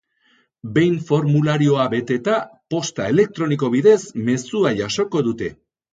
Behin formularioa beteta, posta elektroniko bidez mezua jasoko dute.